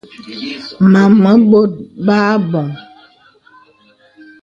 Mām mə bōt bə aboŋ.